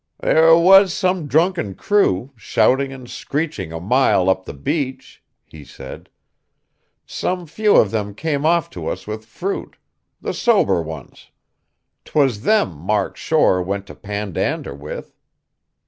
"There was some drunken crew, shouting and screeching a mile up the beach," he said. "Some few of them came off to us with fruit. The sober ones. 'Twas them Mark Shore went to pandander with."